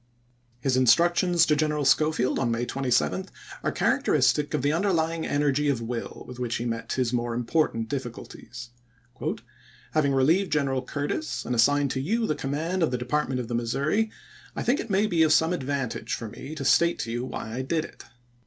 His instructions to Greneral Schofield, on May 27, are characteristic of the underlying energy of 1863. will with which he met his more important diffi culties. " Having relieved General Curtis and as signed you to the command of the Department of 206 ABRAHAM LINCOLN CHAP. VIII. the Missouri, I think it may be of some advantage for me to state to you why I did it.